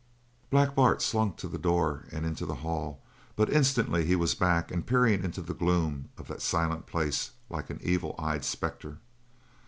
Black Bart slunk to the door and into the hall, but instantly he was back and peering into the gloom of the silent place like an evil eyed spectre.